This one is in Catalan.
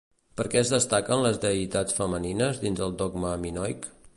Per què es destaquen les deïtats femenines dins el dogma minoic?